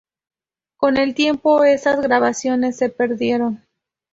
Con el tiempo esas grabaciones se perdieron.